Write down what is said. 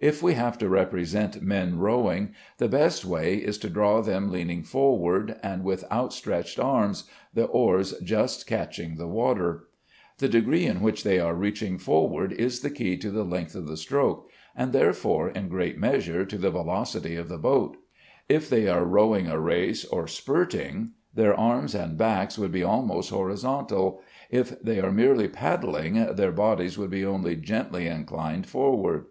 If we have to represent men rowing, the best way is to draw them leaning forward and with outstretched arms, the oars just catching the water. The degree in which they are reaching forward is the key to the length of the stroke, and, therefore, in great measure, to the velocity of the boat. If they are rowing a race, or spurting, their arms and backs would be almost horizontal; if they are merely paddling, their bodies would be only gently inclined forward.